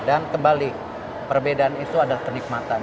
dan kembali perbedaan itu adalah kenikmatan